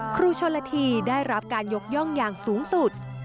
ครูชนละทีได้รับการยกย่องอย่างสูงสุด